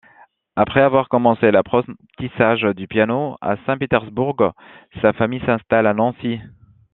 Après avoir commencé l'apprentissage du piano à Saint-Pétersbourg, sa famille s'installe à Nancy.